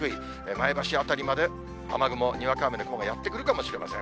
前橋辺りまで雨雲、にわか雨の雲がやって来るかもしれません。